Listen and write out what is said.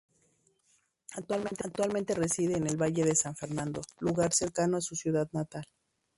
Actualmente reside en el Valle de San Fernando, lugar cercano a su ciudad natal.